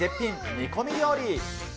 煮込み料理。